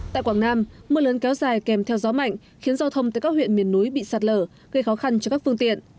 tại quảng nam mưa lớn kéo dài kèm theo gió mạnh khiến giao thông tới các huyện miền núi bị sạt lở gây khó khăn cho các phương tiện